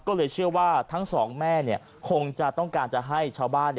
ก็เลยเชื่อว่าทั้งสองแม่คงจะต้องการจะให้ชาวบ้าน